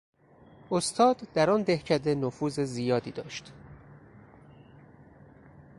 استاد در آن دهکده نفوذ زیادی داشت.